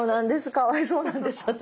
かわいそうなんです私。